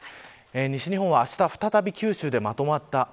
西日本は再び九州でまた、まとまった雨。